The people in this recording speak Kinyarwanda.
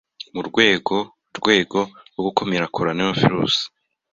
mu rwego rwego rwo gukumira Coronavirus